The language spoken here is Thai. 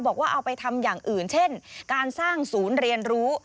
บอกว่าเอาไปทำอย่างอื่นเช่นการสร้างศูนย์เรียนรู้